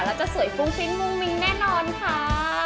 แล้วจะสวยฟุ้งฟิ้งมุ้งมิ้งแน่นอนค่ะ